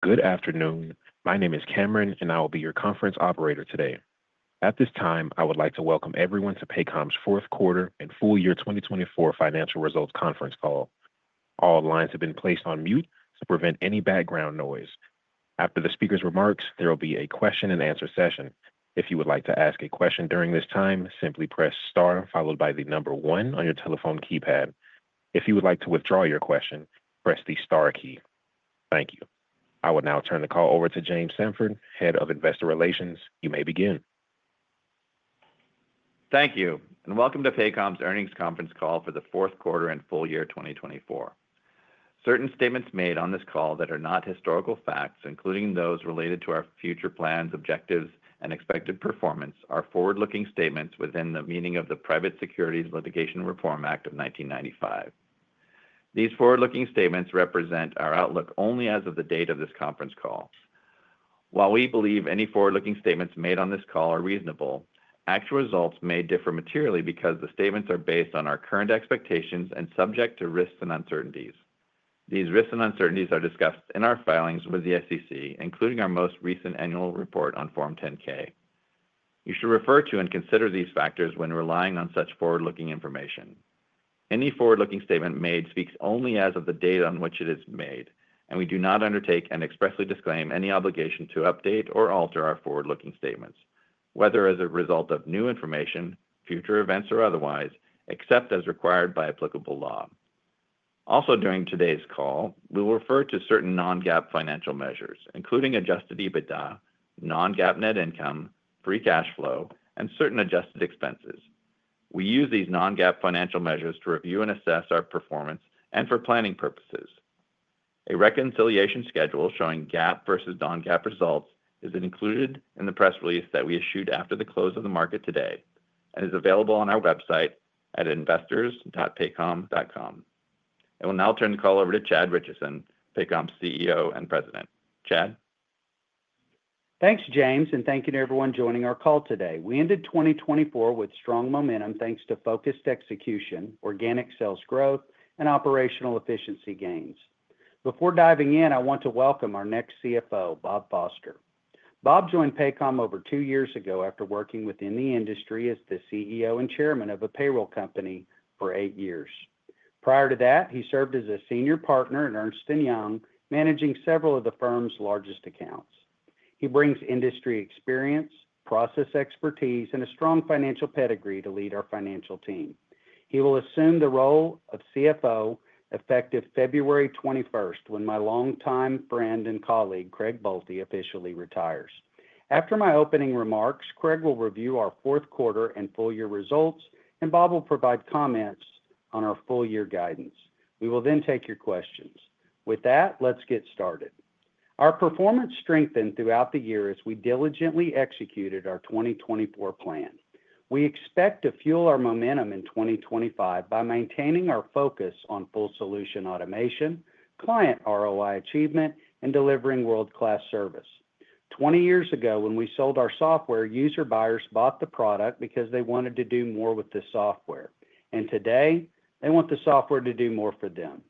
Good afternoon. My name is Cameron, and I will be your conference operator today. At this time, I would like to welcome everyone to Paycom's fourth quarter and full year 2024 financial results conference call. All lines have been placed on mute to prevent any background noise. After the speaker's remarks, there will be a question-and-answer session. If you would like to ask a question during this time, simply press star followed by the number one on your telephone keypad. If you would like to withdraw your question, press the star key. Thank you. I will now turn the call over to James Samford, Head of Investor Relations. You may begin. Thank you, and welcome to Paycom's earnings conference call for the fourth quarter and full year 2024. Certain statements made on this call that are not historical facts, including those related to our future plans, objectives, and expected performance, are forward-looking statements within the meaning of the Private Securities Litigation Reform Act of 1995. These forward-looking statements represent our outlook only as of the date of this conference call. While we believe any forward-looking statements made on this call are reasonable, actual results may differ materially because the statements are based on our current expectations and subject to risks and uncertainties. These risks and uncertainties are discussed in our filings with the SEC, including our most recent annual report on Form 10-K. You should refer to and consider these factors when relying on such forward-looking information. Any forward-looking statement made speaks only as of the date on which it is made, and we do not undertake and expressly disclaim any obligation to update or alter our forward-looking statements, whether as a result of new information, future events, or otherwise, except as required by applicable law. Also during today's call, we will refer to certain non-GAAP financial measures, including Adjusted EBITDA, non-GAAP net income, free cash flow, and certain adjusted expenses. We use these non-GAAP financial measures to review and assess our performance and for planning purposes. A reconciliation schedule showing GAAP versus non-GAAP results is included in the press release that we issued after the close of the market today and is available on our website at investors.paycom.com. I will now turn the call over to Chad Richison, Paycom CEO and President. Chad. Thanks, James, and thank you to everyone joining our call today. We ended 2024 with strong momentum thanks to focused execution, organic sales growth, and operational efficiency gains. Before diving in, I want to welcome our next CFO, Bob Foster. Bob joined Paycom over two years ago after working within the industry as the CEO and chairman of a payroll company for eight years. Prior to that, he served as a senior partner at Ernst & Young, managing several of the firm's largest accounts. He brings industry experience, process expertise, and a strong financial pedigree to lead our financial team. He will assume the role of CFO effective February 21st when my longtime friend and colleague, Craig Boelte, officially retires. After my opening remarks, Craig will review our fourth quarter and full year results, and Bob will provide comments on our full year guidance. We will then take your questions. With that, let's get started. Our performance strengthened throughout the year as we diligently executed our 2024 plan. We expect to fuel our momentum in 2025 by maintaining our focus on full solution automation, client ROI achievement, and delivering world-class service. Twenty years ago, when we sold our software, user buyers bought the product because they wanted to do more with the software, and today they want the software to do more for them.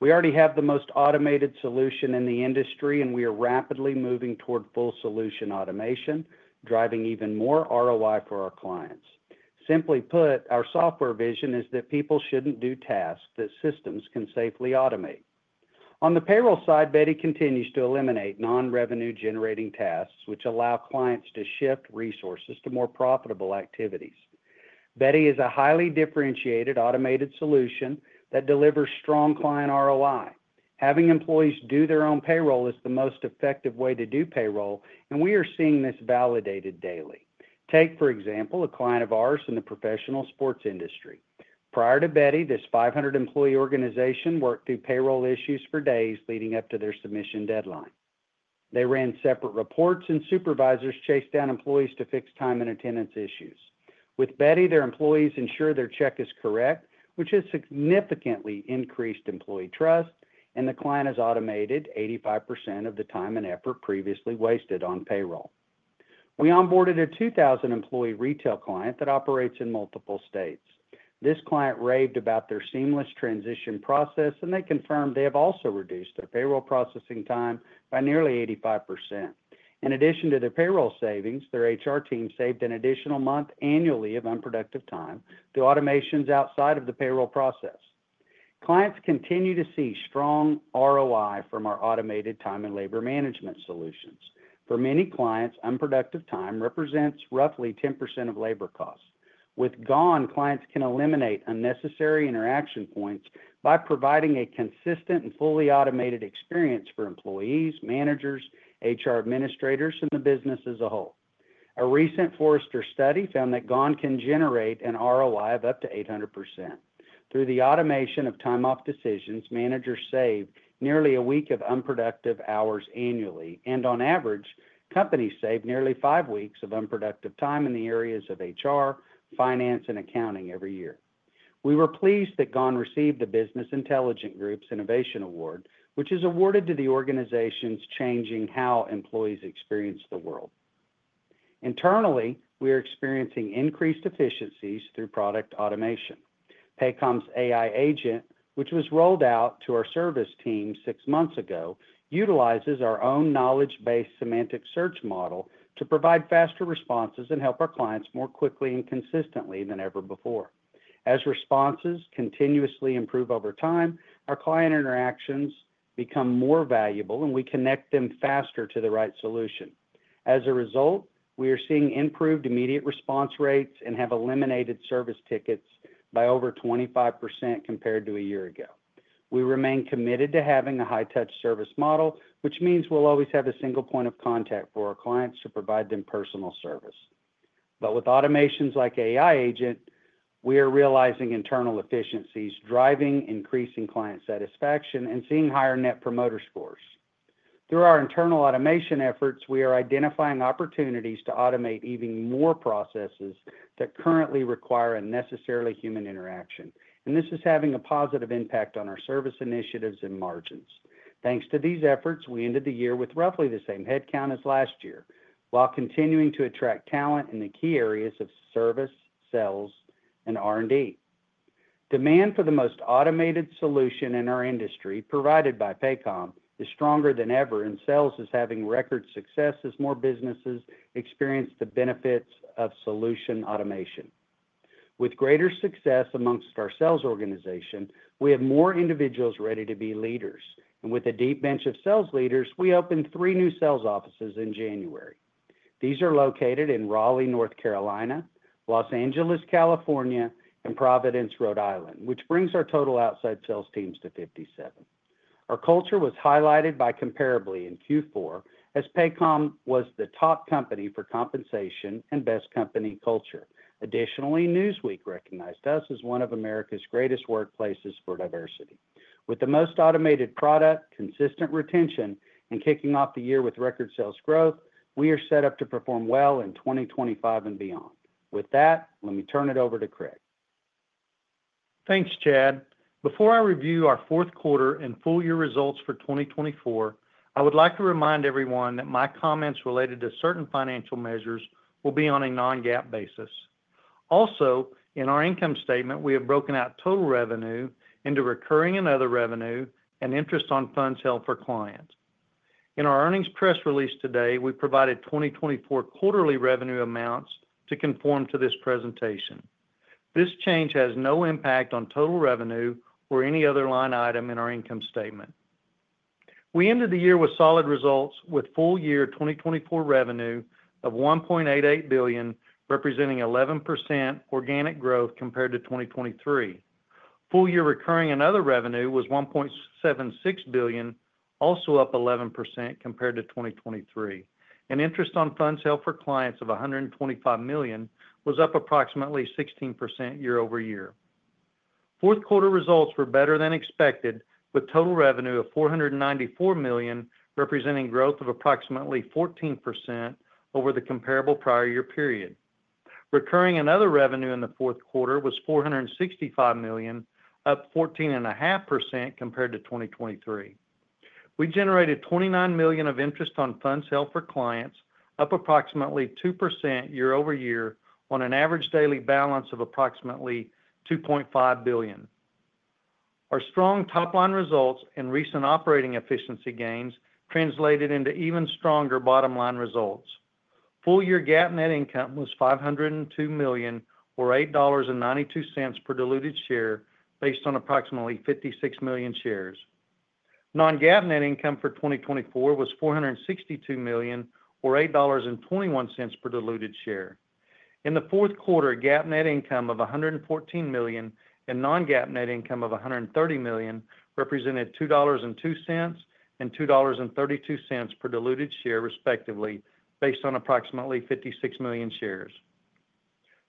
We already have the most automated solution in the industry, and we are rapidly moving toward full solution automation, driving even more ROI for our clients. Simply put, our software vision is that people shouldn't do tasks that systems can safely automate. On the payroll side, Beti continues to eliminate non-revenue-generating tasks, which allow clients to shift resources to more profitable activities. Beti is a highly differentiated automated solution that delivers strong client ROI. Having employees do their own payroll is the most effective way to do payroll, and we are seeing this validated daily. Take, for example, a client of ours in the professional sports industry. Prior to Beti, this 500-employee organization worked through payroll issues for days leading up to their submission deadline. They ran separate reports, and supervisors chased down employees to fix time and attendance issues. With Beti, their employees ensure their check is correct, which has significantly increased employee trust, and the client is automated 85% of the time and effort previously wasted on payroll. We onboarded a 2,000-employee retail client that operates in multiple states. This client raved about their seamless transition process, and they confirmed they have also reduced their payroll processing time by nearly 85%. In addition to their payroll savings, their HR team saved an additional month annually of unproductive time through automations outside of the payroll process. Clients continue to see strong ROI from our automated time and labor management solutions. For many clients, unproductive time represents roughly 10% of labor costs. With GONE, clients can eliminate unnecessary interaction points by providing a consistent and fully automated experience for employees, managers, HR administrators, and the business as a whole. A recent Forrester study found that GONE can generate an ROI of up to 800%. Through the automation of time-off decisions, managers save nearly a week of unproductive hours annually, and on average, companies save nearly five weeks of unproductive time in the areas of HR, finance, and accounting every year. We were pleased that GONE received the Business Intelligence Group's Innovation Award, which is awarded to the organizations changing how employees experience the world. Internally, we are experiencing increased efficiencies through product automation. Paycom's AI Agent, which was rolled out to our service team six months ago, utilizes our own knowledge-based semantic search model to provide faster responses and help our clients more quickly and consistently than ever before. As responses continuously improve over time, our client interactions become more valuable, and we connect them faster to the right solution. As a result, we are seeing improved immediate response rates and have eliminated service tickets by over 25% compared to a year ago. We remain committed to having a high-touch service model, which means we'll always have a single point of contact for our clients to provide them personal service. But with automations like AI Agent, we are realizing internal efficiencies, driving increasing client satisfaction and seeing higher Net Promoter Scores. Through our internal automation efforts, we are identifying opportunities to automate even more processes that currently require unnecessary human interaction, and this is having a positive impact on our service initiatives and margins. Thanks to these efforts, we ended the year with roughly the same headcount as last year while continuing to attract talent in the key areas of service, sales, and R&D. Demand for the most automated solution in our industry provided by Paycom is stronger than ever, and sales is having record success as more businesses experience the benefits of solution automation. With greater success amongst our sales organization, we have more individuals ready to be leaders, and with a deep bench of sales leaders, we opened three new sales offices in January. These are located in Raleigh, North Carolina, Los Angeles, California, and Providence, Rhode Island, which brings our total outside sales teams to 57. Our culture was highlighted by Comparably in Q4 as Paycom was the top company for compensation and best company culture. Additionally, Newsweek recognized us as one of America's greatest workplaces for diversity. With the most automated product, consistent retention, and kicking off the year with record sales growth, we are set up to perform well in 2025 and beyond. With that, let me turn it over to Craig. Thanks, Chad. Before I review our fourth quarter and full year results for 2024, I would like to remind everyone that my comments related to certain financial measures will be on a Non-GAAP basis. Also, in our income statement, we have broken out total revenue into recurring and other revenue and interest on funds held for clients. In our earnings press release today, we provided 2024 quarterly revenue amounts to conform to this presentation. This change has no impact on total revenue or any other line item in our income statement. We ended the year with solid results, with full year 2024 revenue of $1.88 billion, representing 11% organic growth compared to 2023. Full year recurring and other revenue was $1.76 billion, also up 11% compared to 2023, and interest on funds held for clients of $125 million was up approximately 16% year over year. Fourth quarter results were better than expected, with total revenue of $494 million representing growth of approximately 14% over the comparable prior year period. Recurring and other revenue in the fourth quarter was $465 million, up 14.5% compared to 2023. We generated $29 million of interest on funds held for clients, up approximately 2% year over year on an average daily balance of approximately $2.5 billion. Our strong top-line results and recent operating efficiency gains translated into even stronger bottom-line results. Full year GAAP net income was $502 million, or $8.92 per diluted share, based on approximately 56 million shares. Non-GAAP net income for 2024 was $462 million, or $8.21 per diluted share. In the fourth quarter, GAAP net income of $114 million and non-GAAP net income of $130 million represented $2.02 and $2.32 per diluted share, respectively, based on approximately 56 million shares.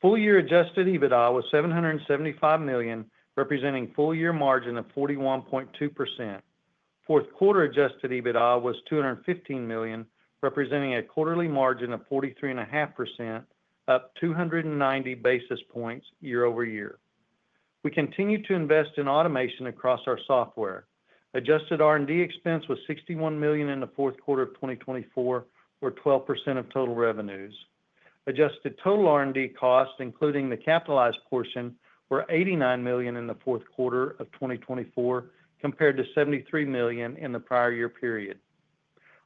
Full year adjusted EBITDA was $775 million, representing full year margin of 41.2%. Fourth quarter adjusted EBITDA was $215 million, representing a quarterly margin of 43.5%, up 290 basis points year over year. We continue to invest in automation across our software. Adjusted R&D expense was $61 million in the fourth quarter of 2024, or 12% of total revenues. Adjusted total R&D cost, including the capitalized portion, was $89 million in the fourth quarter of 2024, compared to $73 million in the prior year period.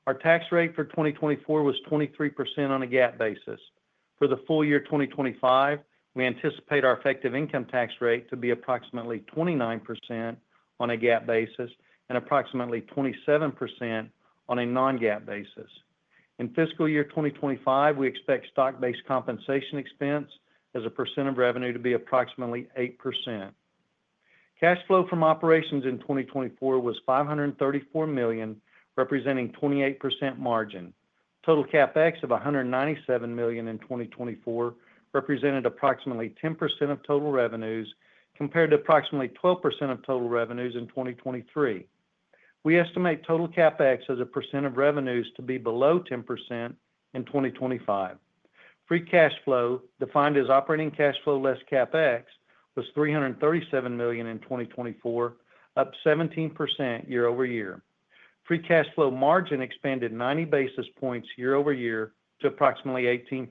Our tax rate for 2024 was 23% on a GAAP basis. For the full year 2025, we anticipate our effective income tax rate to be approximately 29% on a GAAP basis and approximately 27% on a non-GAAP basis. In fiscal year 2025, we expect stock-based compensation expense as a percent of revenue to be approximately 8%. Cash flow from operations in 2024 was $534 million, representing 28% margin. Total CAPEX of $197 million in 2024 represented approximately 10% of total revenues compared to approximately 12% of total revenues in 2023. We estimate total CAPEX as a percent of revenues to be below 10% in 2025. Free cash flow, defined as operating cash flow less CAPEX, was $337 million in 2024, up 17% year over year. Free cash flow margin expanded 90 basis points year over year to approximately 18%.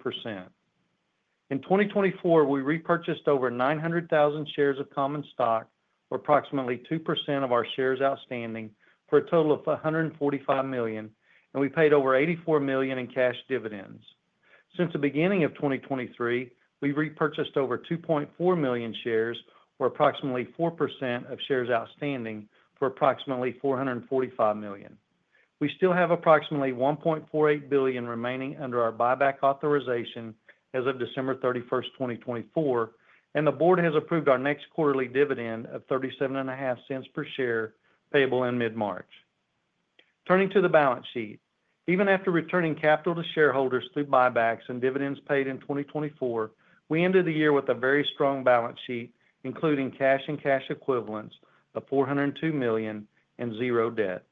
In 2024, we repurchased over 900,000 shares of common stock, or approximately 2% of our shares outstanding, for a total of $145 million, and we paid over $84 million in cash dividends. Since the beginning of 2023, we repurchased over 2.4 million shares, or approximately 4% of shares outstanding, for approximately $445 million. We still have approximately $1.48 billion remaining under our buyback authorization as of December 31st, 2024, and the board has approved our next quarterly dividend of $37.50 per share payable in mid-March. Turning to the balance sheet, even after returning capital to shareholders through buybacks and dividends paid in 2024, we ended the year with a very strong balance sheet, including cash and cash equivalents, of $402 million and zero debt.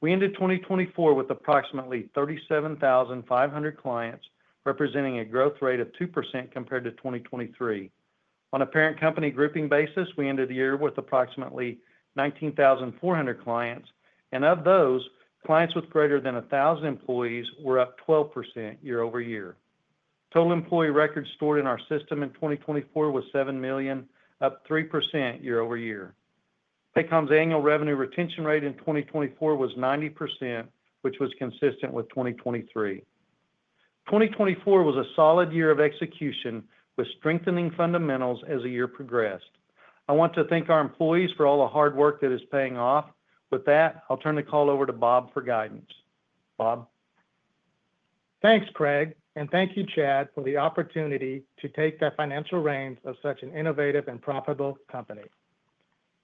We ended 2024 with approximately 37,500 clients, representing a growth rate of 2% compared to 2023. On a parent company grouping basis, we ended the year with approximately 19,400 clients, and of those, clients with greater than 1,000 employees were up 12% year over year. Total employee records stored in our system in 2024 was 7 million, up 3% year over year. Paycom's annual revenue retention rate in 2024 was 90%, which was consistent with 2023. 2024 was a solid year of execution with strengthening fundamentals as the year progressed. I want to thank our employees for all the hard work that is paying off. With that, I'll turn the call over to Bob for guidance. Bob. Thanks, Craig, and thank you, Chad, for the opportunity to take the financial reins of such an innovative and profitable company.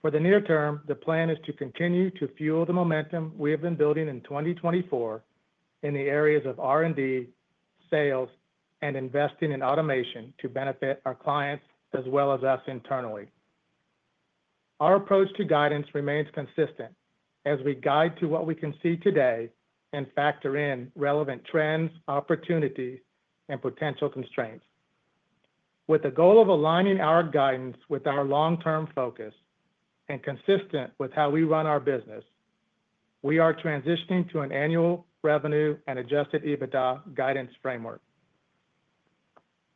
For the near term, the plan is to continue to fuel the momentum we have been building in 2024 in the areas of R&D, sales, and investing in automation to benefit our clients as well as us internally. Our approach to guidance remains consistent as we guide to what we can see today and factor in relevant trends, opportunities, and potential constraints. With the goal of aligning our guidance with our long-term focus and consistent with how we run our business, we are transitioning to an annual revenue and Adjusted EBITDA guidance framework.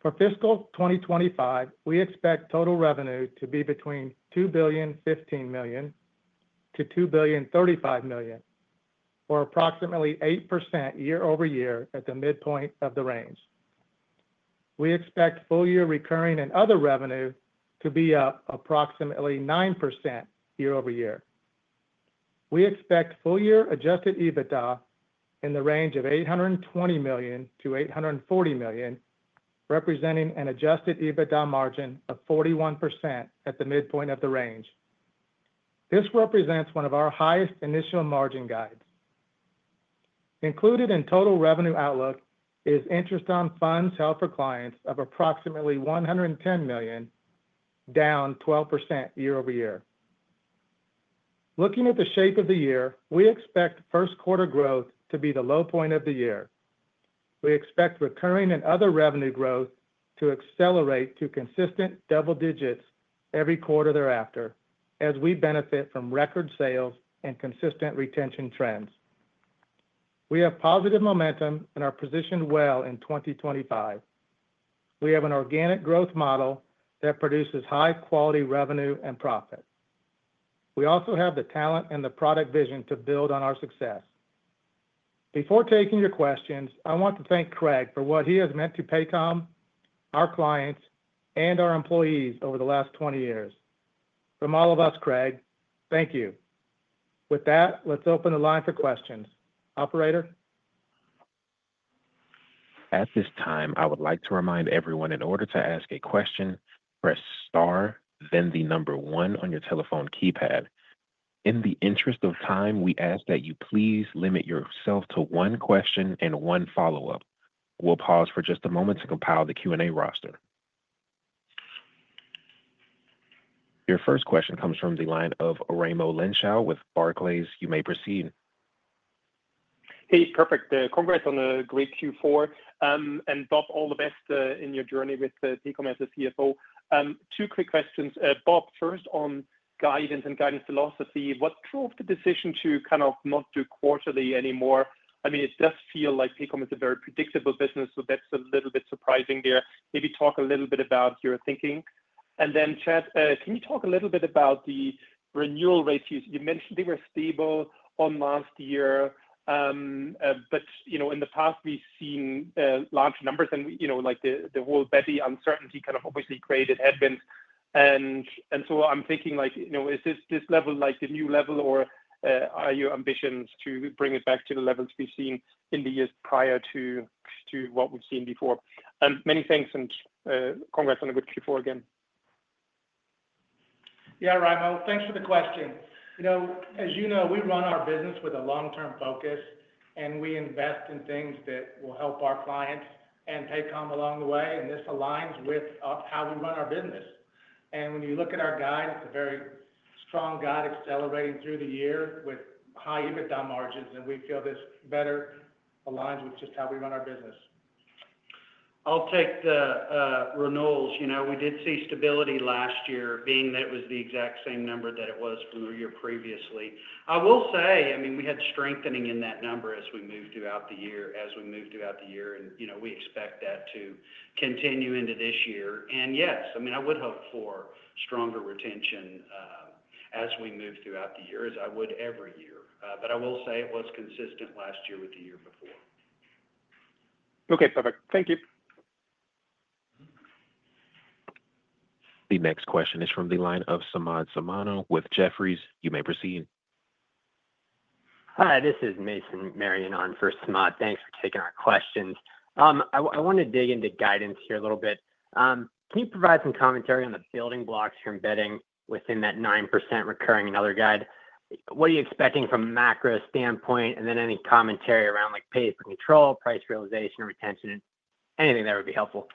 For fiscal 2025, we expect total revenue to be between $2.15 billion to $2.35 million, or approximately 8% year over year at the midpoint of the range. We expect full year recurring and other revenue to be up approximately 9% year over year. We expect full year adjusted EBITDA in the range of $820 million-$840 million, representing an adjusted EBITDA margin of 41% at the midpoint of the range. This represents one of our highest initial margin guides. Included in total revenue outlook is interest on funds held for clients of approximately $110 million, down 12% year over year. Looking at the shape of the year, we expect first quarter growth to be the low point of the year. We expect recurring and other revenue growth to accelerate to consistent double digits every quarter thereafter as we benefit from record sales and consistent retention trends. We have positive momentum and are positioned well in 2025. We have an organic growth model that produces high-quality revenue and profit. We also have the talent and the product vision to build on our success. Before taking your questions, I want to thank Craig for what he has meant to Paycom, our clients, and our employees over the last 20 years. From all of us, Craig, thank you. With that, let's open the line for questions. Operator. At this time, I would like to remind everyone in order to ask a question, press star, then the number one on your telephone keypad. In the interest of time, we ask that you please limit yourself to one question and one follow-up. We'll pause for just a moment to compile the Q&A roster. Your first question comes from the line of Raimo Lenschow with Barclays. You may proceed. Hey, perfect. Congrats on a great Q4. And Bob, all the best in your journey with Paycom as a CFO. Two quick questions. Bob, first on guidance and guidance philosophy. What drove the decision to kind of not do quarterly anymore? I mean, it does feel like Paycom is a very predictable business, so that's a little bit surprising there. Maybe talk a little bit about your thinking. And then, Chad, can you talk a little bit about the renewal rates? You mentioned they were stable on last year, but in the past, we've seen large numbers and the whole Beti uncertainty kind of obviously created headwinds. And so I'm thinking, is this level like the new level, or are your ambitions to bring it back to the levels we've seen in the years prior to what we've seen before? Many thanks and congrats on a good Q4 again. Yeah, Raimo, thanks for the question. As you know, we run our business with a long-term focus, and we invest in things that will help our clients and Paycom along the way, and this aligns with how we run our business, and when you look at our guide, it's a very strong guide accelerating through the year with high EBITDA margins, and we feel this better aligns with just how we run our business. I'll take the Reynolds. We did see stability last year, being that it was the exact same number that it was from the year previously. I will say, I mean, we had strengthening in that number as we moved throughout the year, and we expect that to continue into this year. And yes, I mean, I would hope for stronger retention as we move throughout the year, as I would every year. But I will say it was consistent last year with the year before. Okay, perfect. Thank you. The next question is from the line of Samad Samana with Jefferies. You may proceed. Hi, this is Mason Marion on for Samad. Thanks for taking our questions. I want to dig into guidance here a little bit. Can you provide some commentary on the building blocks for embedding within that 9% recurring and other guide? What are you expecting from a macro standpoint? And then any commentary around pay for control, price realization, or retention? Anything there would be helpful.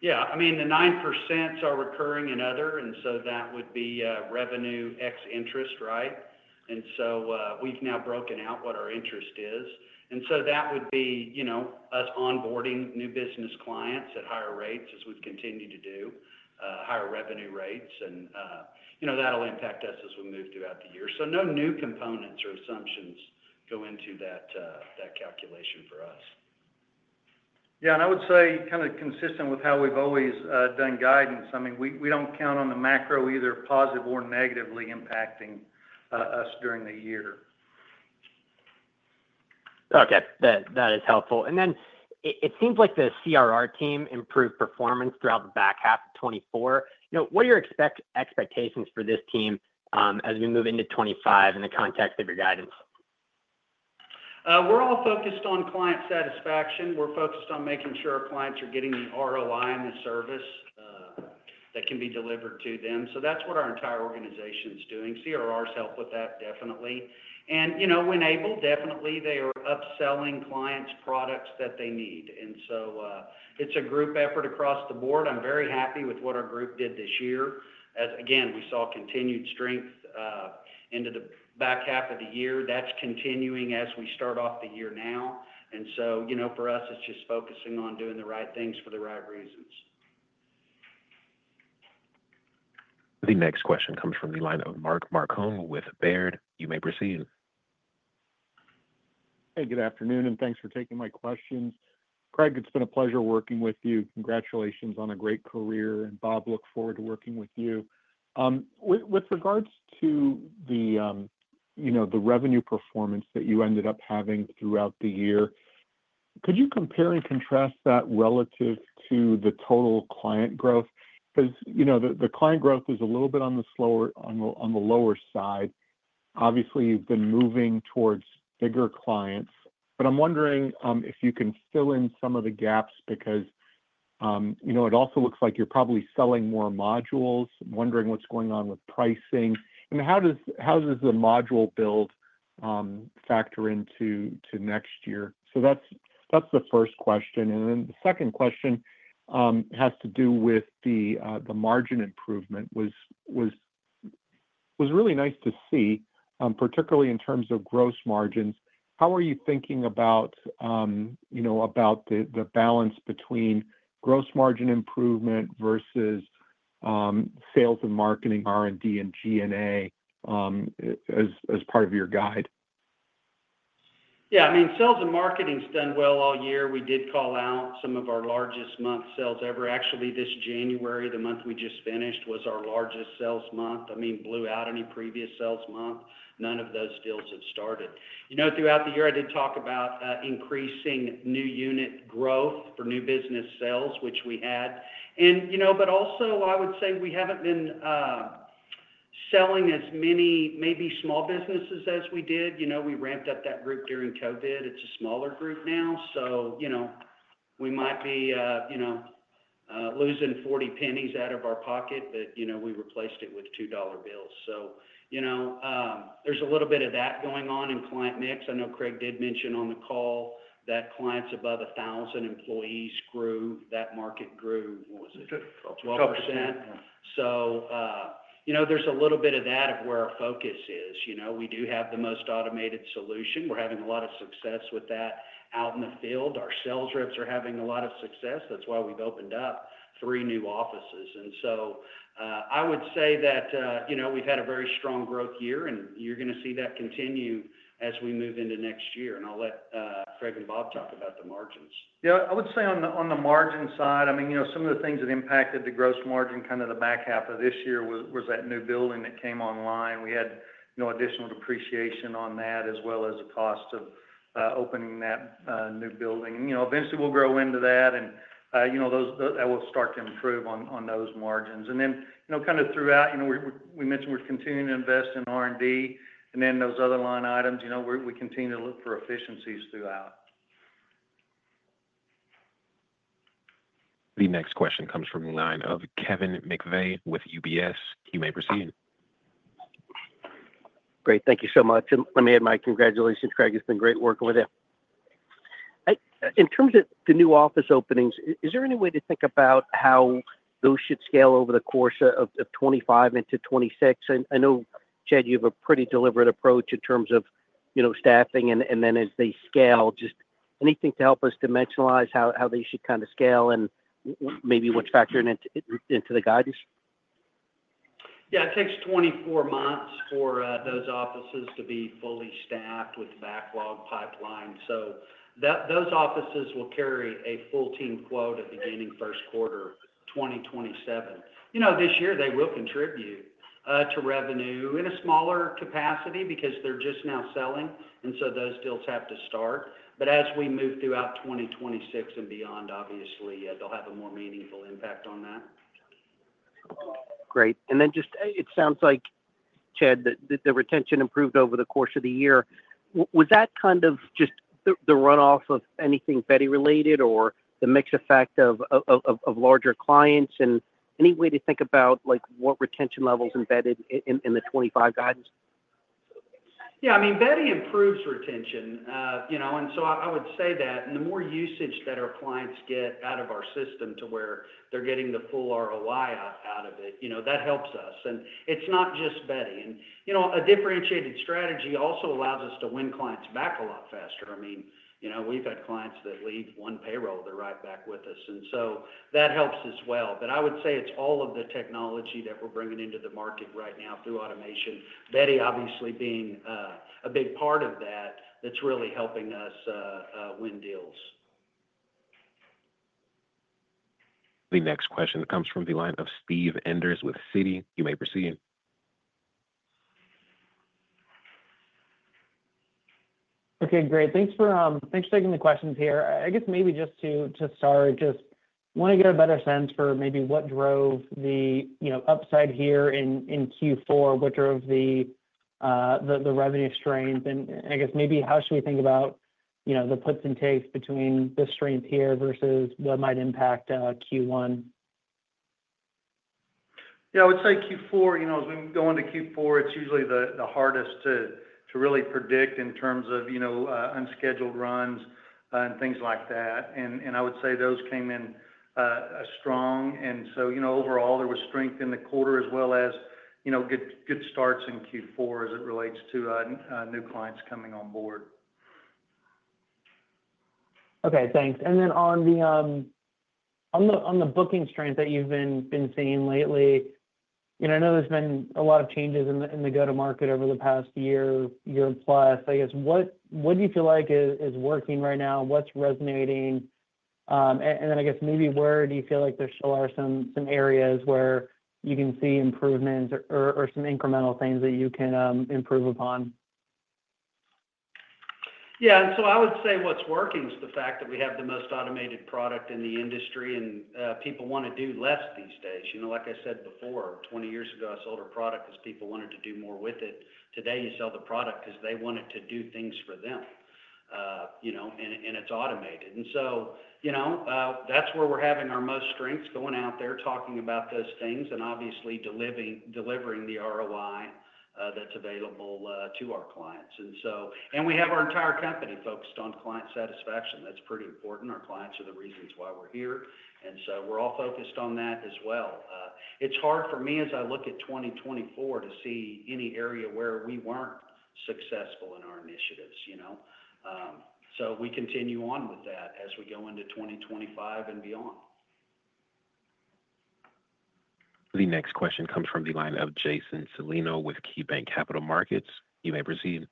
Yeah, I mean, the 9% are recurring and other, and so that would be revenue x interest, right? And so we've now broken out what our interest is. And so that would be us onboarding new business clients at higher rates as we've continued to do higher revenue rates, and that'll impact us as we move throughout the year. So no new components or assumptions go into that calculation for us. Yeah, and I would say kind of consistent with how we've always done guidance. I mean, we don't count on the macro either, positive or negatively impacting us during the year. Okay, that is helpful. And then it seems like the CRR team improved performance throughout the back half of 2024. What are your expectations for this team as we move into 2025 in the context of your guidance? We're all focused on client satisfaction. We're focused on making sure our clients are getting the ROI and the service that can be delivered to them. So that's what our entire organization is doing. CRRs help with that, definitely. And when able, definitely they are upselling clients' products that they need. And so it's a group effort across the board. I'm very happy with what our group did this year. Again, we saw continued strength into the back half of the year. That's continuing as we start off the year now. And so for us, it's just focusing on doing the right things for the right reasons. The next question comes from the line of Mark Marcon with Baird. You may proceed. Hey, good afternoon, and thanks for taking my questions. Craig, it's been a pleasure working with you. Congratulations on a great career. And Bob, look forward to working with you. With regards to the revenue performance that you ended up having throughout the year, could you compare and contrast that relative to the total client growth? Because the client growth is a little bit on the lower side. Obviously, you've been moving towards bigger clients, but I'm wondering if you can fill in some of the gaps because it also looks like you're probably selling more modules. I'm wondering what's going on with pricing. And how does the module build factor into next year? So that's the first question. And then the second question has to do with the margin improvement. It was really nice to see, particularly in terms of gross margins. How are you thinking about the balance between gross margin improvement versus sales and marketing, R&D, and G&A as part of your guide? Yeah, I mean, sales and marketing's done well all year. We did call out some of our largest month sales ever. Actually, this January, the month we just finished, was our largest sales month. I mean, blew out any previous sales month. None of those deals have started. Throughout the year, I did talk about increasing new unit growth for new business sales, which we had. But also, I would say we haven't been selling as many maybe small businesses as we did. We ramped up that group during COVID. It's a smaller group now. So we might be losing 40 pennies out of our pocket, but we replaced it with $2 bills. So there's a little bit of that going on in client mix. I know Craig did mention on the call that clients above 1,000 employees grew. That market grew, what was it? 12%. 12%. So there's a little bit of that of where our focus is. We do have the most automated solution. We're having a lot of success with that out in the field. Our sales reps are having a lot of success. That's why we've opened up three new offices. And so I would say that we've had a very strong growth year, and you're going to see that continue as we move into next year. And I'll let Craig and Bob talk about the margins. Yeah, I would say on the margin side, I mean, some of the things that impacted the gross margin kind of the back half of this year was that new building that came online. We had additional depreciation on that as well as the cost of opening that new building, and eventually, we'll grow into that, and that will start to improve on those margins, and then kind of throughout, we mentioned we're continuing to invest in R&D and then those other line items. We continue to look for efficiencies throughout. The next question comes from the line of Kevin McVeigh with UBS. He may proceed. Great. Thank you so much. And let me add my congratulations, Craig. It's been great working with you. In terms of the new office openings, is there any way to think about how those should scale over the course of 2025 into 2026? I know, Chad, you have a pretty deliberate approach in terms of staffing. And then as they scale, just anything to help us dimensionalize how they should kind of scale and maybe what's factored into the guidance? Yeah, it takes 24 months for those offices to be fully staffed with the backlog pipeline. So those offices will carry a full team quota beginning first quarter 2027. This year, they will contribute to revenue in a smaller capacity because they're just now selling. And so those deals have to start. But as we move throughout 2026 and beyond, obviously, they'll have a more meaningful impact on that. Great. And then just it sounds like, Chad, that the retention improved over the course of the year. Was that kind of just the runoff of anything Beti-related or the mixed effect of larger clients? And any way to think about what retention levels embedded in the 2025 guidance? Yeah, I mean, Beti improves retention. And so I would say that the more usage that our clients get out of our system to where they're getting the full ROI out of it, that helps us. And it's not just Beti. And a differentiated strategy also allows us to win clients back a lot faster. I mean, we've had clients that leave one payroll, they're right back with us. And so that helps as well. But I would say it's all of the technology that we're bringing into the market right now through automation, Beti obviously being a big part of that, that's really helping us win deals. The next question comes from the line of Steve Enders with Citi. You may proceed. Okay, great. Thanks for taking the questions here. I guess maybe just to start, just want to get a better sense for maybe what drove the upside here in Q4, which are the revenue streams. And I guess maybe how should we think about the puts and takes between the streams here versus what might impact Q1? Yeah, I would say Q4, as we go into Q4, it's usually the hardest to really predict in terms of unscheduled runs and things like that. And I would say those came in strong. And so overall, there was strength in the quarter as well as good starts in Q4 as it relates to new clients coming on board. Okay, thanks. And then on the booking strength that you've been seeing lately, I know there's been a lot of changes in the go-to-market over the past year, year plus. I guess what do you feel like is working right now? What's resonating? And then I guess maybe where do you feel like there still are some areas where you can see improvements or some incremental things that you can improve upon? Yeah, and so I would say what's working is the fact that we have the most automated product in the industry, and people want to do less these days. Like I said before, 20 years ago, I sold a product because people wanted to do more with it. Today, you sell the product because they want it to do things for them, and it's automated. And so that's where we're having our most strengths, going out there, talking about those things, and obviously delivering the ROI that's available to our clients. And we have our entire company focused on client satisfaction. That's pretty important. Our clients are the reasons why we're here. And so we're all focused on that as well. It's hard for me as I look at 2024 to see any area where we weren't successful in our initiatives. We continue on with that as we go into 2025 and beyond. The next question comes from the line of Jason Celino with KeyBanc Capital Markets. You may proceed.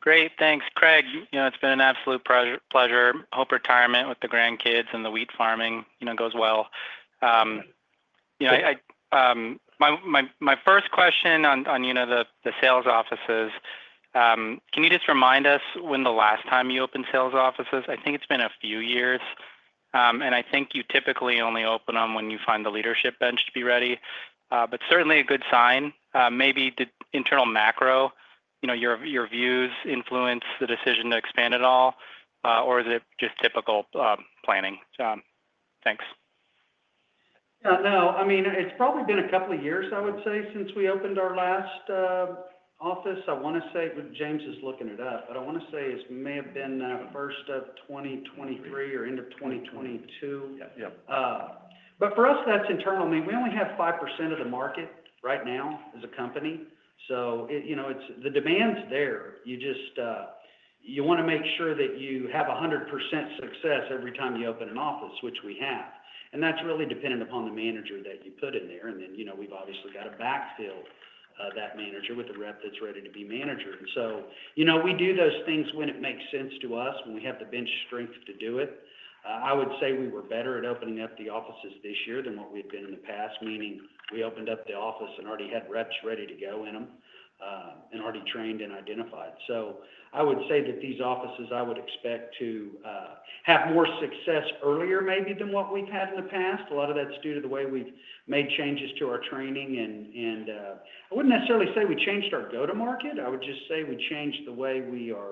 Great, thanks. Craig, it's been an absolute pleasure. Hope retirement with the grandkids and the wheat farming goes well. My first question on the sales offices, can you just remind us when the last time you opened sales offices? I think it's been a few years, and I think you typically only open them when you find the leadership bench to be ready. But certainly a good sign. Maybe did internal macro, your views, influence the decision to expand at all, or is it just typical planning? Thanks. Yeah, no, I mean, it's probably been a couple of years, I would say, since we opened our last office. I want to say James is looking it up, but I want to say it may have been first of 2023 or end of 2022. But for us, that's internal. I mean, we only have 5% of the market right now as a company. So the demand's there. You want to make sure that you have 100% success every time you open an office, which we have. And that's really dependent upon the manager that you put in there. And then we've obviously got to backfill that manager with a rep that's ready to be manager. And so we do those things when it makes sense to us, when we have the bench strength to do it. I would say we were better at opening up the offices this year than what we had been in the past, meaning we opened up the office and already had reps ready to go in them and already trained and identified. So I would say that these offices, I would expect to have more success earlier maybe than what we've had in the past. A lot of that's due to the way we've made changes to our training. And I wouldn't necessarily say we changed our go-to-market. I would just say we changed the way we are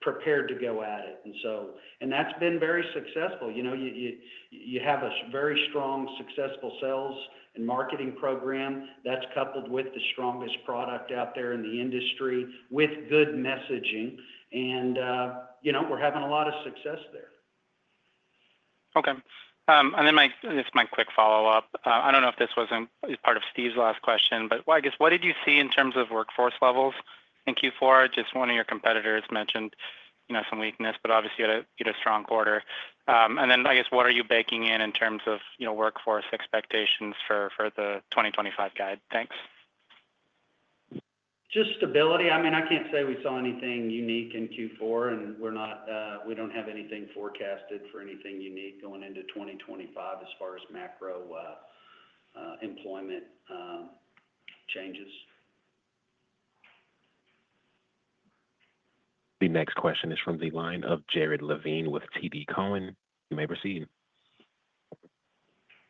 prepared to go at it. And that's been very successful. You have a very strong, successful sales and marketing program that's coupled with the strongest product out there in the industry with good messaging. And we're having a lot of success there. Okay. And then just my quick follow-up. I don't know if this was part of Steve's last question, but I guess what did you see in terms of workforce levels in Q4? Just one of your competitors mentioned some weakness, but obviously you had a strong quarter. And then I guess what are you baking in in terms of workforce expectations for the 2025 guide? Thanks. Just stability. I mean, I can't say we saw anything unique in Q4, and we don't have anything forecasted for anything unique going into 2025 as far as macro employment changes. The next question is from the line of Jared Levine with TD Cowen. You may proceed.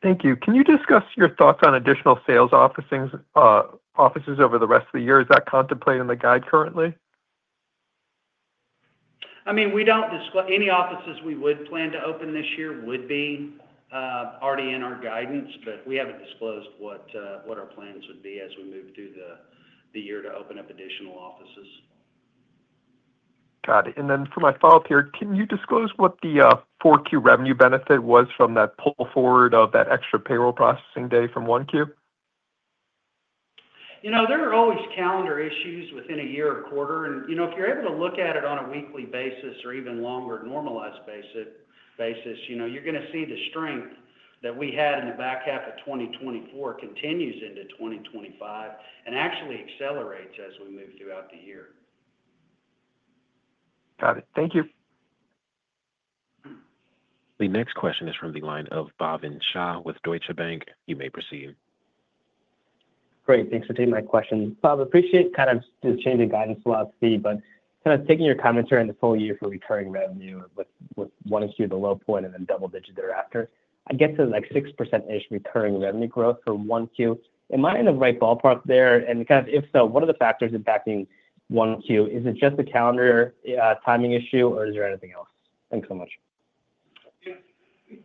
Thank you. Can you discuss your thoughts on additional sales offices over the rest of the year? Is that contemplated in the guide currently? I mean, any offices we would plan to open this year would be already in our guidance, but we haven't disclosed what our plans would be as we move through the year to open up additional offices. Got it. And then for my follow-up here, can you disclose what the Q4 revenue benefit was from that pull forward of that extra payroll processing day from Q1? There are always calendar issues within a year or quarter, and if you're able to look at it on a weekly basis or even longer normalized basis, you're going to see the strength that we had in the back half of 2024 continues into 2025 and actually accelerates as we move throughout the year. Got it. Thank you. The next question is from the line of Bhavin Shah with Deutsche Bank. You may proceed. Great. Thanks for taking my question. Bob, I appreciate kind of just changing guidance a lot to see, but kind of taking your commentary on the full year for recurring revenue with Q1 or Q2 at the low point and then double-digit thereafter, I guess it's like 6%-ish recurring revenue growth for Q1. Am I in the right ballpark there? And kind of if so, what are the factors impacting Q1? Is it just the calendar timing issue, or is there anything else? Thanks so much.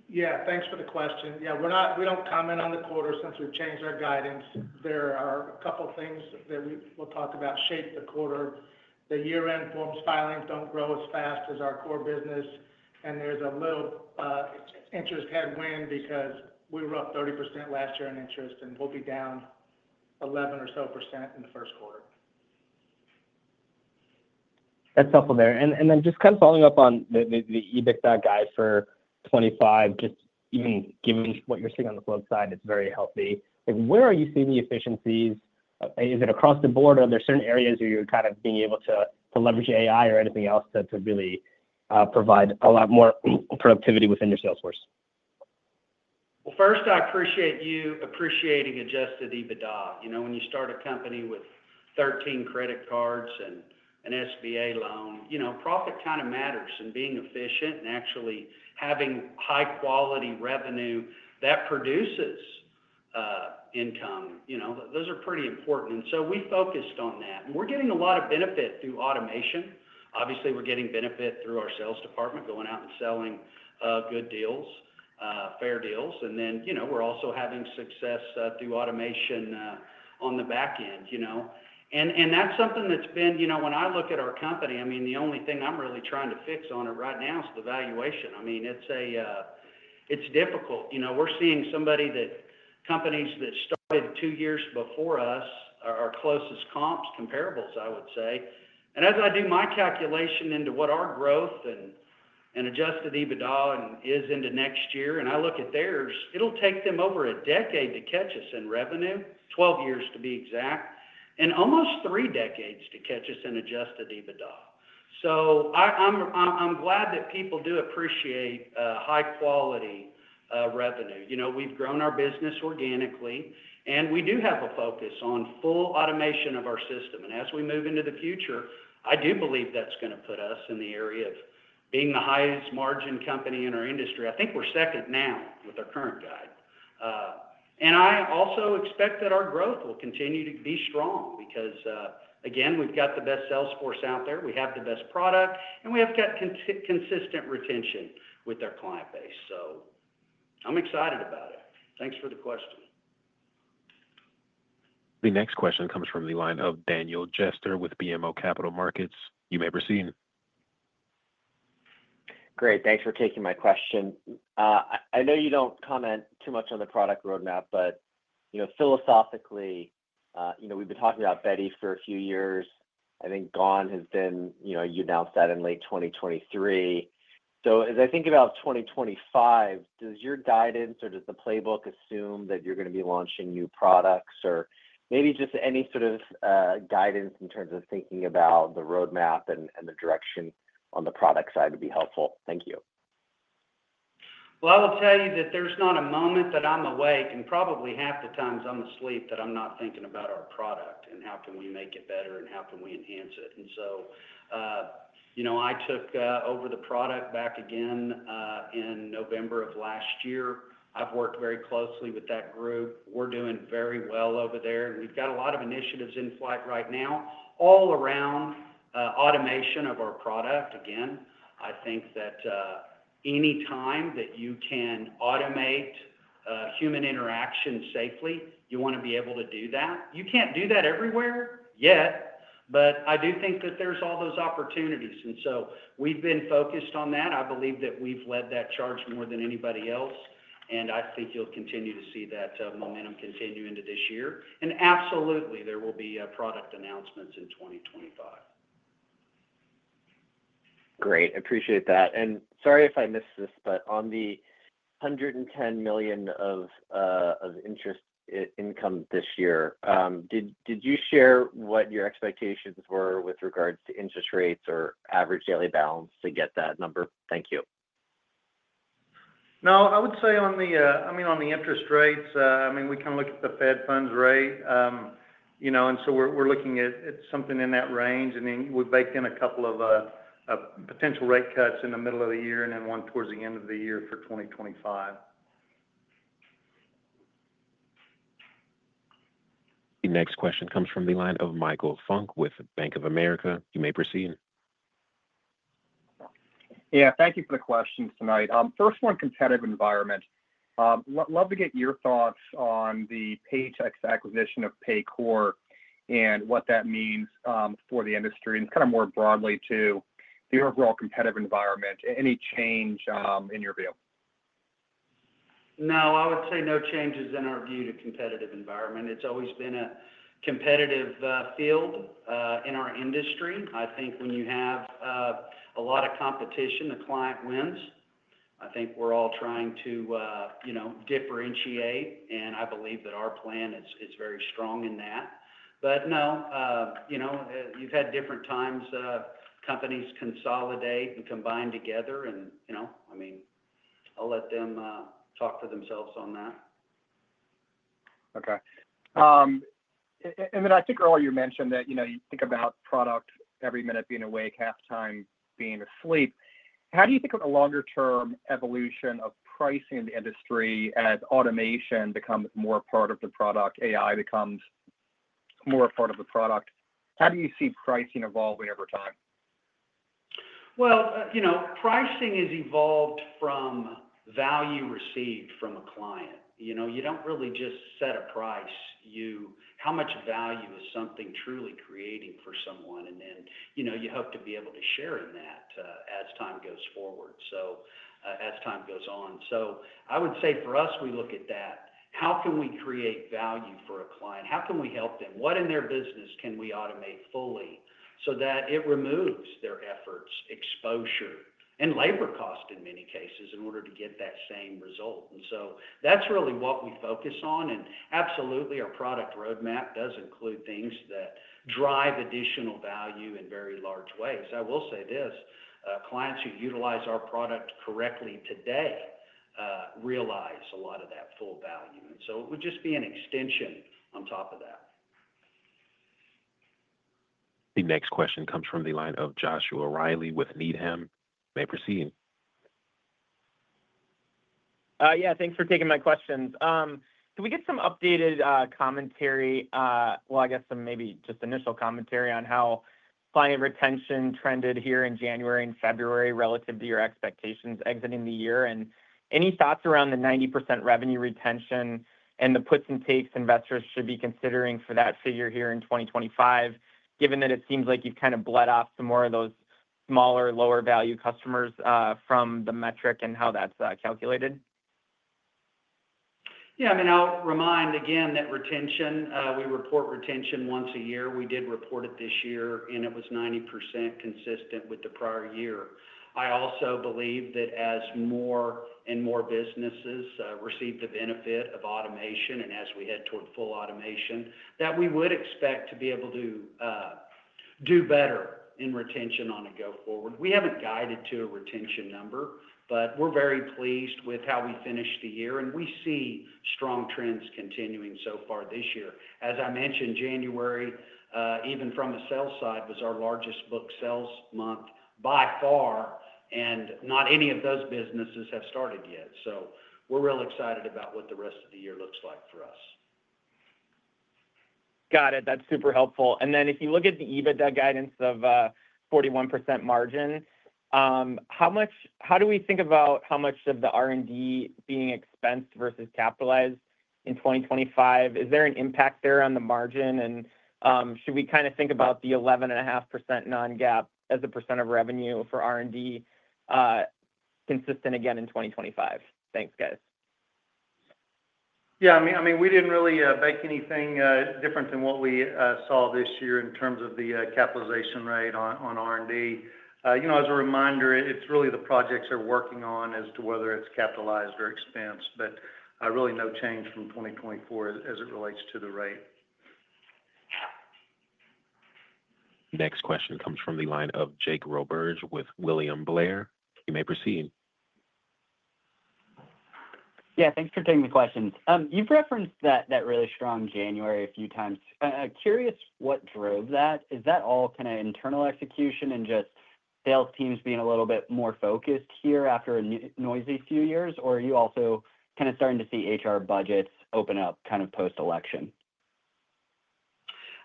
Yeah, thanks for the question. Yeah, we don't comment on the quarter since we've changed our guidance. There are a couple of things that we'll talk about shape the quarter. The year-end forms filings don't grow as fast as our core business, and there's a little interest headwind because we were up 30% last year in interest, and we'll be down 11% or so in the first quarter. That's helpful there. And then just kind of following up on the EBITDA guide for 2025, just even given what you're seeing on the flip side, it's very healthy. Where are you seeing the efficiencies? Is it across the board, or are there certain areas where you're kind of being able to leverage AI or anything else to really provide a lot more productivity within your salesforce? First, I appreciate you appreciating adjusted EBITDA. When you start a company with 13 credit cards and an SBA loan, profit kind of matters. Being efficient and actually having high-quality revenue that produces income, those are pretty important. So we focused on that. We're getting a lot of benefit through automation. Obviously, we're getting benefit through our sales department going out and selling good deals, fair deals. We're also having success through automation on the back end. That's something that's been when I look at our company, I mean, the only thing I'm really trying to fix on it right now is the valuation. I mean, it's difficult. We're seeing somebody that companies that started two years before us are closest comps, comparables, I would say. As I do my calculation into what our growth and Adjusted EBITDA is into next year, and I look at theirs, it'll take them over a decade to catch us in revenue, 12 years to be exact, and almost three decades to catch us in Adjusted EBITDA, so I'm glad that people do appreciate high-quality revenue. We've grown our business organically, and we do have a focus on full automation of our system, and as we move into the future, I do believe that's going to put us in the area of being the highest margin company in our industry. I think we're second now with our current guide, and I also expect that our growth will continue to be strong because, again, we've got the best salesforce out there. We have the best product, and we have got consistent retention with our client base. So I'm excited about it. Thanks for the question. The next question comes from the line of Daniel Jester with BMO Capital Markets. You may proceed. Great. Thanks for taking my question. I know you don't comment too much on the product roadmap, but philosophically, we've been talking about Beti for a few years. I think GONE has been. You announced that in late 2023. So as I think about 2025, does your guidance or does the playbook assume that you're going to be launching new products or maybe just any sort of guidance in terms of thinking about the roadmap and the direction on the product side would be helpful? Thank you. Well, I will tell you that there's not a moment that I'm awake, and probably half the time I'm asleep, that I'm not thinking about our product and how can we make it better and how can we enhance it. And so I took over the product back again in November of last year. I've worked very closely with that group. We're doing very well over there, and we've got a lot of initiatives in flight right now all around automation of our product. Again, I think that any time that you can automate human interaction safely, you want to be able to do that. You can't do that everywhere yet, but I do think that there's all those opportunities. And so we've been focused on that. I believe that we've led that charge more than anybody else, and I think you'll continue to see that momentum continue into this year. And absolutely, there will be product announcements in 2025. Great. I appreciate that. And sorry if I missed this, but on the $110 million of interest income this year, did you share what your expectations were with regards to interest rates or average daily balance to get that number? Thank you. No, I would say, I mean, on the interest rates, I mean, we can look at the Fed Funds Rate, and so we're looking at something in that range, and then we baked in a couple of potential rate cuts in the middle of the year and then one towards the end of the year for 2025. The next question comes from the line of Michael Funk with Bank of America. You may proceed. Yeah, thank you for the questions tonight. First one, competitive environment. Love to get your thoughts on the Paychex acquisition of Paycor and what that means for the industry and kind of more broadly to the overall competitive environment. Any change in your view? No, I would say no changes in our view to competitive environment. It's always been a competitive field in our industry. I think when you have a lot of competition, the client wins. I think we're all trying to differentiate, and I believe that our plan is very strong in that. But no, you've had different times companies consolidate and combine together, and I mean, I'll let them talk for themselves on that. Okay. And then I think earlier you mentioned that you think about product every minute being awake, half the time being asleep. How do you think of the longer-term evolution of pricing in the industry as automation becomes more part of the product, AI becomes more part of the product? How do you see pricing evolving over time? Pricing has evolved from value received from a client. You don't really just set a price. How much value is something truly creating for someone? And then you hope to be able to share in that as time goes forward, so as time goes on. So I would say for us, we look at that. How can we create value for a client? How can we help them? What in their business can we automate fully so that it removes their efforts, exposure, and labor costs in many cases in order to get that same result? And so that's really what we focus on. And absolutely, our product roadmap does include things that drive additional value in very large ways. I will say this: clients who utilize our product correctly today realize a lot of that full value. It would just be an extension on top of that. The next question comes from the line of Joshua Reilly with Needham. You may proceed. Yeah, thanks for taking my questions. Can we get some updated commentary? Well, I guess maybe just initial commentary on how client retention trended here in January and February relative to your expectations exiting the year. And any thoughts around the 90% revenue retention and the puts and takes investors should be considering for that figure here in 2025, given that it seems like you've kind of bled off some more of those smaller, lower-value customers from the metric and how that's calculated? Yeah. I mean, I'll remind again that retention, we report retention once a year. We did report it this year, and it was 90% consistent with the prior year. I also believe that as more and more businesses receive the benefit of automation and as we head toward full automation, that we would expect to be able to do better in retention on a go-forward. We haven't guided to a retention number, but we're very pleased with how we finished the year, and we see strong trends continuing so far this year. As I mentioned, January, even from a sales side, was our largest book sales month by far, and not any of those businesses have started yet. So we're real excited about what the rest of the year looks like for us. Got it. That's super helpful. And then if you look at the EBITDA guidance of 41% margin, how do we think about how much of the R&D being expensed versus capitalized in 2025? Is there an impact there on the margin? And should we kind of think about the 11.5% non-GAAP as a percent of revenue for R&D consistent again in 2025? Thanks, guys. Yeah. I mean, we didn't really make anything different than what we saw this year in terms of the capitalization rate on R&D. As a reminder, it's really the projects they're working on as to whether it's capitalized or expensed, but really no change from 2024 as it relates to the rate. Next question comes from the line of Jake Roberge with William Blair. You may proceed. Yeah, thanks for taking the questions. You've referenced that really strong January a few times. Curious what drove that. Is that all kind of internal execution and just sales teams being a little bit more focused here after a noisy few years, or are you also kind of starting to see HR budgets open up kind of post-election?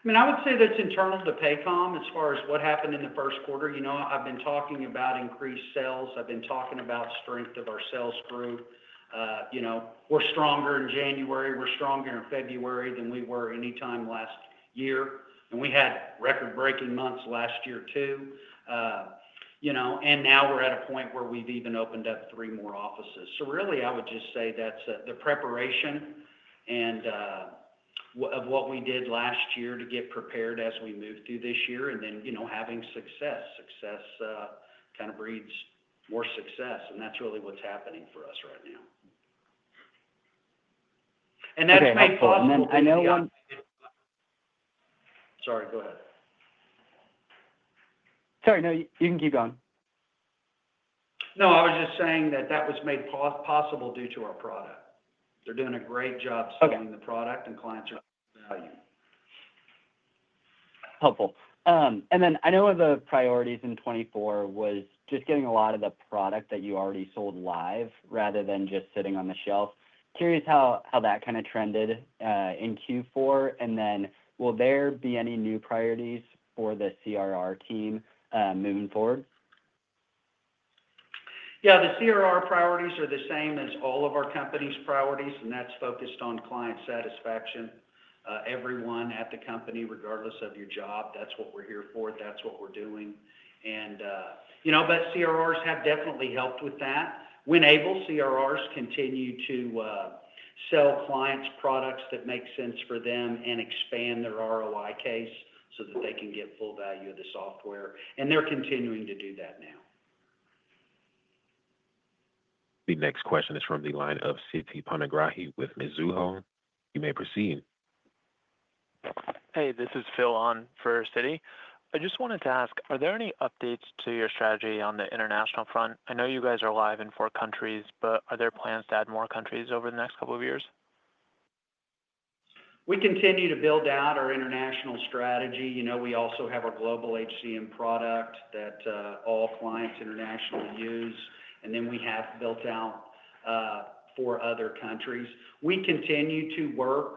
I mean, I would say that's internal to Paycom as far as what happened in the first quarter. I've been talking about increased sales. I've been talking about strength of our sales group. We're stronger in January. We're stronger in February than we were anytime last year. And we had record-breaking months last year too. And now we're at a point where we've even opened up three more offices. So really, I would just say that's the preparation of what we did last year to get prepared as we move through this year and then having success. Success kind of breeds more success, and that's really what's happening for us right now. And that's made possible by. And then I know one. Sorry, go ahead. Sorry, no, you can keep going. No, I was just saying that that was made possible due to our product. They're doing a great job selling the product, and clients are adding value. Helpful. And then I know one of the priorities in 2024 was just getting a lot of the product that you already sold live rather than just sitting on the shelf. Curious how that kind of trended in Q4. And then will there be any new priorities for the CRR team moving forward? Yeah, the CRR priorities are the same as all of our company's priorities, and that's focused on client satisfaction. Everyone at the company, regardless of your job, that's what we're here for. That's what we're doing. But CRRs have definitely helped with that. When able, CRRs continue to sell clients products that make sense for them and expand their ROI case so that they can get full value of the software. They're continuing to do that now. The next question is from the line of Siti Panigrahi with Mizuho. You may proceed. Hey, this is Phil on for Siti. I just wanted to ask, are there any updates to your strategy on the international front? I know you guys are live in four countries, but are there plans to add more countries over the next couple of years? We continue to build out our international strategy. We also have our Global HCM product that all clients internationally use, and then we have built out for other countries. We continue to work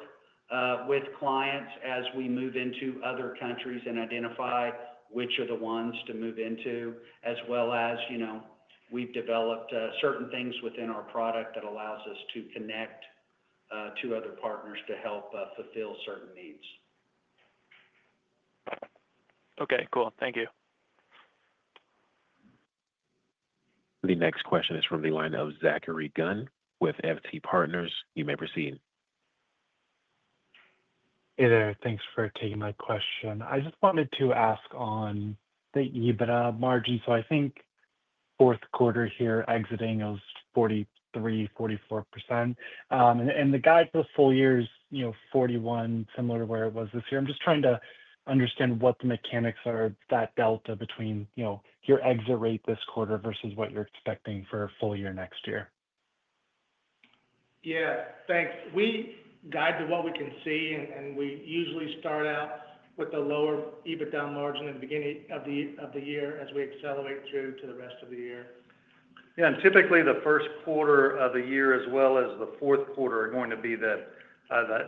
with clients as we move into other countries and identify which are the ones to move into, as well as we've developed certain things within our product that allows us to connect to other partners to help fulfill certain needs. Okay, cool. Thank you. The next question is from the line of Zachary Gunn with FT Partners. You may proceed. Hey there, thanks for taking my question. I just wanted to ask on the EBITDA margin. So I think fourth quarter here exiting is 43-44%. And the guide for full year is 41%, similar to where it was this year. I'm just trying to understand what the mechanics are of that delta between your exit rate this quarter versus what you're expecting for full year next year. Yeah, thanks. We guide to what we can see, and we usually start out with a lower EBITDA margin in the beginning of the year as we accelerate through to the rest of the year. Yeah, and typically the first quarter of the year as well as the fourth quarter are going to be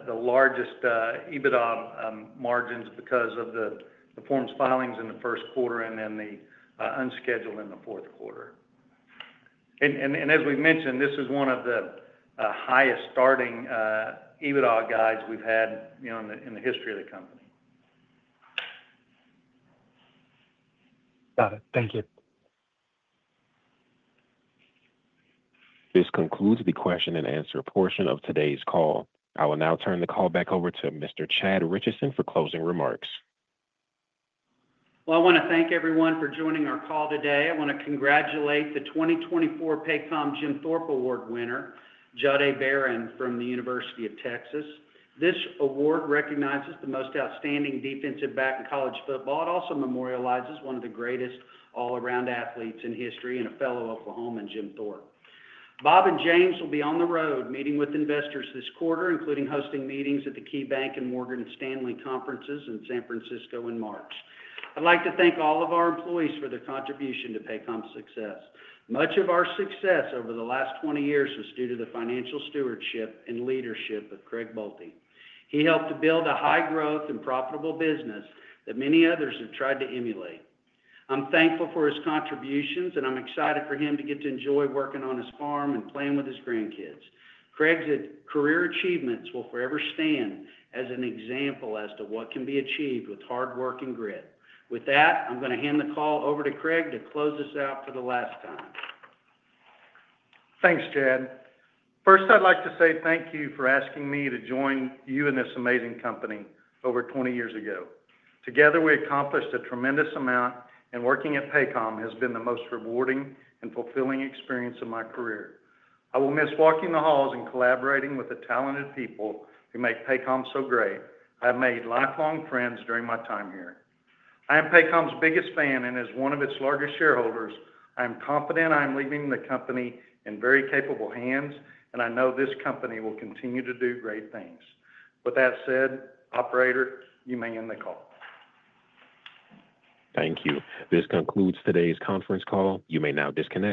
the largest EBITDA margins because of the forms filings in the first quarter and then the unscheduled in the fourth quarter, and as we mentioned, this is one of the highest starting EBITDA guides we've had in the history of the company. Got it. Thank you. This concludes the question and answer portion of today's call. I will now turn the call back over to Mr. Chad Richison for closing remarks. I want to thank everyone for joining our call today. I want to congratulate the 2024 Paycom Jim Thorpe Award winner, Jahdae Barron from the University of Texas. This award recognizes the most outstanding defensive back in college football. It also memorializes one of the greatest all-around athletes in history and a fellow Oklahoman, Jim Thorpe. Bob and James will be on the road meeting with investors this quarter, including hosting meetings at the KeyBanc and Morgan Stanley conferences in San Francisco in March. I'd like to thank all of our employees for their contribution to Paycom's success. Much of our success over the last 20 years was due to the financial stewardship and leadership of Craig Boelte. He helped to build a high-growth and profitable business that many others have tried to emulate. I'm thankful for his contributions, and I'm excited for him to get to enjoy working on his farm and playing with his grandkids. Craig's career achievements will forever stand as an example as to what can be achieved with hard work and grit. With that, I'm going to hand the call over to Craig to close us out for the last time. Thanks, Chad. First, I'd like to say thank you for asking me to join you and this amazing company over 20 years ago. Together, we accomplished a tremendous amount, and working at Paycom has been the most rewarding and fulfilling experience of my career. I will miss walking the halls and collaborating with the talented people who make Paycom so great. I have made lifelong friends during my time here. I am Paycom's biggest fan, and as one of its largest shareholders, I am confident I am leaving the company in very capable hands, and I know this company will continue to do great things. With that said, Operator, you may end the call. Thank you. This concludes today's conference call. You may now disconnect.